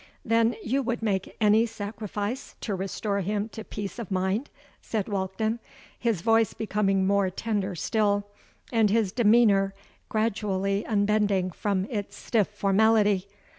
'—'Then you would make any sacrifice to restore him to peace of mind?' said Walkden, his voice becoming more tender still, and his demeanour gradually unbending from its stiff formality.